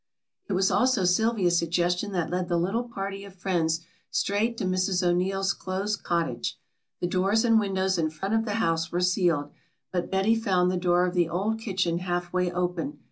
It was also Sylvia's suggestion that led the little party of friends straight to Mrs. O'Neill's closed cottage. The doors and windows in front of the house were sealed, but Betty found the door of the old kitchen halfway open.